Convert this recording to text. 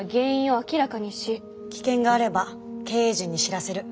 危険があれば経営陣に知らせる。